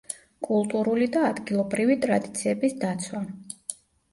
კულტურული და ადგილობრივი ტრადიციების დაცვა.